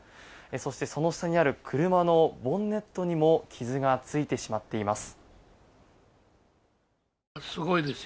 そして、その下にある車のボンネットにも傷がついてしまっています。